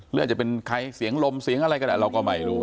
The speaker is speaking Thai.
หรืออาจจะเป็นใครเสียงลมเสียงอะไรก็ได้เราก็ไม่รู้